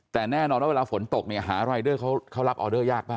แต่แน่นอนว่าเวลาฝนตกเนี่ยหารายเดอร์เขารับออเดอร์ยากมาก